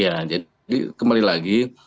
ya jadi kembali lagi